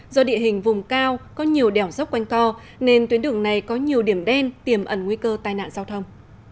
do địa hình vùng cao có nhiều đèo dốc quanh co nên tuyến đường này có nhiều điểm đen tiềm ẩn nguy cơ tai nạn giao thông